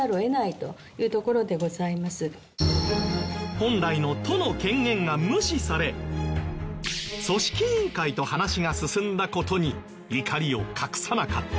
本来の都の権限が無視され組織委員会と話が進んだ事に怒りを隠さなかった。